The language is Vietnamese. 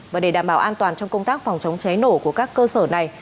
và để đảm bảo an toàn trong công tác phòng chống cháy nổ của các cơ sở này